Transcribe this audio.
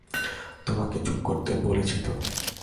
তোমাকে চুপ করতে বলেছি তো।